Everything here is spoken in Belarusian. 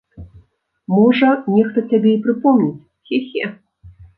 Можа, нехта цябе і прыпомніць, хе-хе.